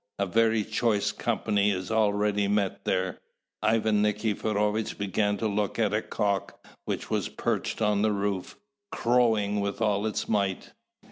a very choice company is already met there." Ivan Nikiforovitch began to look at a cock, which was perched on the roof, crowing with all its might.